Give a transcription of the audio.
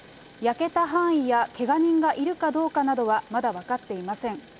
焼けた範囲やけが人がいるかどうかなどは、まだ分かっていません。